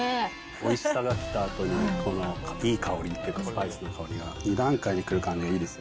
おいしさがきたあとに、このいい香りっていうか、スパイスの香りが、２段階に来る感じがいいです。